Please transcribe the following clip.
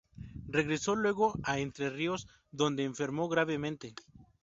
Regresó luego a Entre Ríos, donde enfermó gravemente.